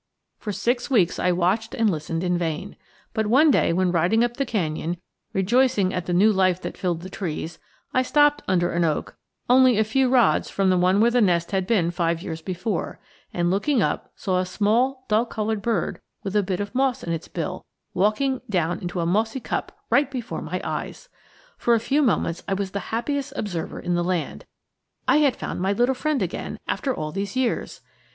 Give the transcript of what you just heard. For six weeks I watched and listened in vain, but one day when riding up the canyon rejoicing at the new life that filled the trees, I stopped under an oak only a few rods from the one where the nest had been five years before, and looking up saw a small dull colored bird with a bit of moss in its bill walking down into a mossy cup right before my eyes! For a few moments I was the happiest observer in the land. I had found my little friend again, after all these years!